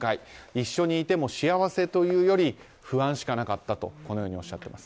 一緒にいても幸せというより不安しかなかったとこのようにおっしゃっています。